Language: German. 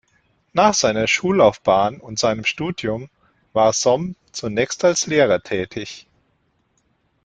Nach seiner Schullaufbahn und seinem Studium war Som zunächst als Lehrer tätig.